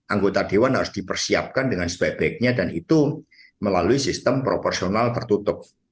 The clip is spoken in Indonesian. anggota dewan harus dipersiapkan dengan sebaik baiknya dan itu melalui sistem proporsional tertutup